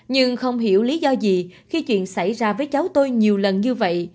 nhưng không hiểu lý do gì khi chuyện xảy ra với cháu tôi nhiều lần như vậy